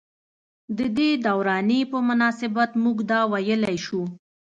ددې دورانيې پۀ مناسبت مونږدا وئيلی شو ۔